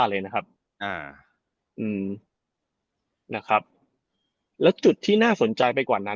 เลยนะครับอ่าอืมนะครับแล้วจุดที่น่าสนใจไปกว่านั้น